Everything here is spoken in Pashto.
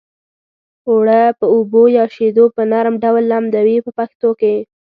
اوړه په اوبو یا شیدو په نرم ډول لمدوي په پښتو کې.